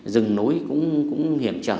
dừng nối cũng hiểm trở